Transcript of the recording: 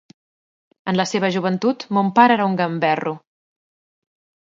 En la seva joventut, mon pare era un gamberro.